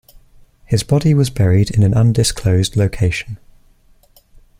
His body was buried in an undisclosed location.